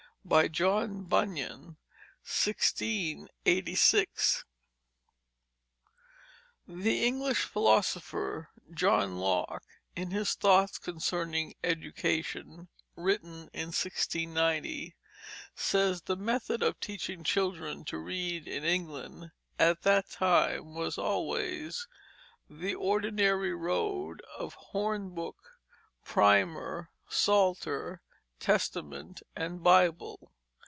John Bunyan, 1686._ The English philosopher, John Locke, in his Thoughts concerning Education, written in 1690, says the method of teaching children to read in England at that time was always "the ordinary road of Horn book, Primer, Psalter, Testament, and Bible."